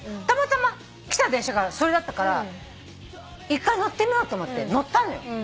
たまたま来た電車がそれだったから１回乗ってみようと思って乗ったのよ。